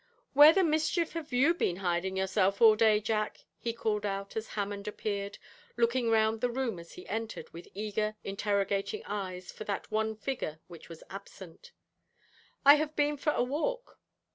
'Where the mischief have you been hiding yourself all day, Jack?' he called out as Hammond appeared, looking round the room as he entered, with eager, interrogating eyes, for that one figure which was absent. 'I have been for a walk.'